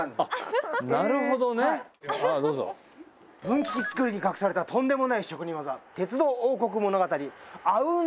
分岐器づくりに隠されたとんでもない職人技「鉄道王国物語」